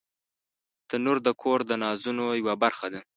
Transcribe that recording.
تنور د کور د نازونو یوه برخه ده